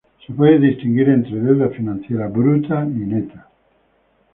Se puede distinguir entre deuda financiera bruta y neta.